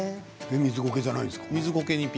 水ゴケじゃないんですか。